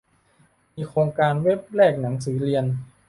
มีโครงการเว็บแลกหนังสือเรียน